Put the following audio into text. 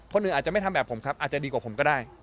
หนึ่งอาจจะไม่ทำแบบผมครับอาจจะดีกว่าผมก็ได้